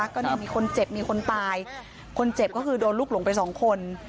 ก็นี่มีคนเจ็บมีคนตายคนเจ็บก็คือโดนลูกหลงไปสองคน